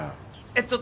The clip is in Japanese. えっと